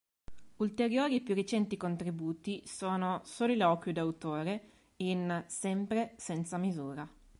Ulteriori e più recenti contributi sono: "Soliloquio d'autore", in: Sempre, senza misura.